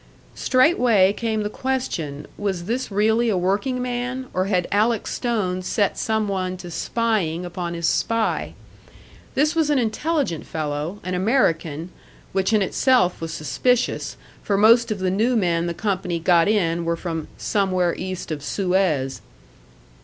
Straightway came the question, was this really a workingman, or had Alec Stone set some one to spying upon his spy. This was an intelligent fellow, an American which in itself was suspicious, for most of the new men the company got in were from "somewhere East of Suez."